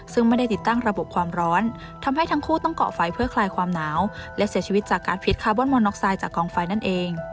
ซึ่งไม่ได้ติดตั้งระบบความร้อนทำให้ทั้งคู่ต้องเกาะไฟเพื่อคลายความหนาวและเสียชีวิตจากการพิษคาร์บอนมอน็อกไซด์จากกองไฟนั่นเอง